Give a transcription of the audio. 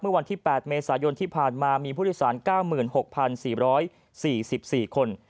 วันที่๘เมษายนที่ผ่านมามีผู้โดยสาร๙๖๔๔คน